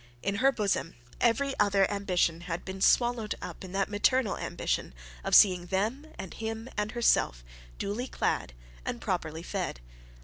In her bosom every other ambition had been swallowed up in that maternal ambition of seeing them and him and herself duly clad and properly fed.